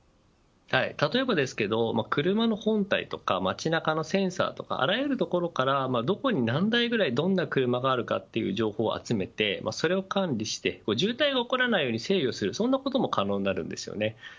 例えば、車の本体とか街中のセンサーとかあらゆる所からどこに何台くらい車があるかという情報を集めてそれを管理して渋滞が起こらないように制御するそんなことも可能になります。